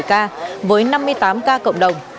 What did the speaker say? năm mươi tám ca cộng đồng